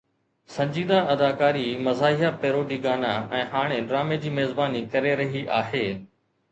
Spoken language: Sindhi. سنجيده اداڪاري مزاحيه پيروڊي گانا ۽ هاڻي ڊرامي جي ميزباني ڪري رهي آهي.